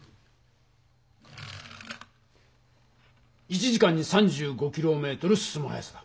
１時間に３５キロメートル進む速さだ。